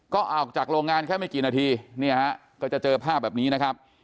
ก็ออกจากโรงงานแค่ไม่กี่นาทีเนี่ยฮะก็จะเจอภาพแบบนี้นะครับ